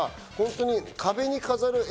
壁に飾る絵。